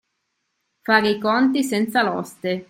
Fare i conti senza l'oste.